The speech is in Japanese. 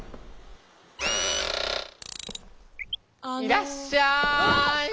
いらっしゃい。